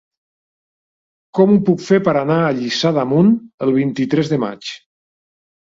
Com ho puc fer per anar a Lliçà d'Amunt el vint-i-tres de maig?